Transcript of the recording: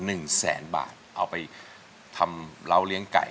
หนึ่งแสนบาทเอาไปทำเล้าเลี้ยงไก่